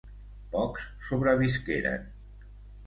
Pocs sobrevisqueren.